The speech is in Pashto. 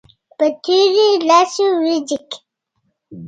په تیرو لسو ورځو کې